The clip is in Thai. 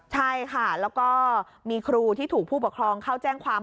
ใช่ค่ะแล้วก็มีครูที่ถูกผู้ปกครองเข้าแจ้งความ